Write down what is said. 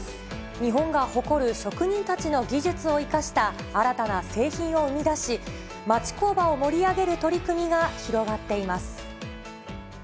日本が誇る職人たちの技術を生かした新たな製品を生み出し、町工場を盛り上げる取り組みが広がっています。